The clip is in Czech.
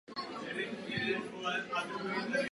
Zkušebně se pěstuje i na Novém Zélandu.